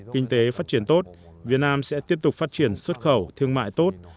kinh tế phát triển tốt việt nam sẽ tiếp tục phát triển xuất khẩu thương mại tốt